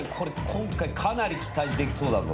今回かなり期待できそうだぞ。